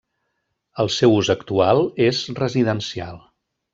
El seu ús actual és residencial.